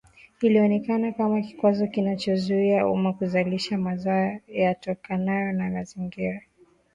Ilionekana kama kikwazo kinachozuia umma kuzalisha mazao yatokanayo na mazingira